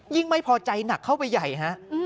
ไม่พอใจหนักเข้าไปใหญ่ฮะ